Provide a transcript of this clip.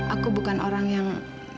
aku bukan orang yang